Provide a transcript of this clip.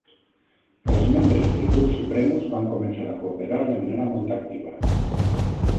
Els membres del grup "Supremus" van començar a cooperar de manera molt activa.